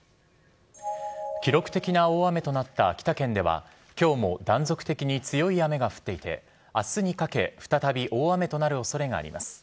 記録的な大雨となった秋田県ではきょうも断続的に強い雨が降っていて、あすにかけ、再び大雨となるおそれがあります。